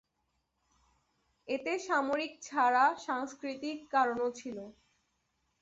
এতে সামরিক ছাড়া সাংস্কৃতিক কারণও ছিল।